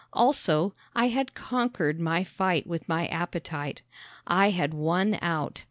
Also, I had conquered my fight with my appetite. I had won out.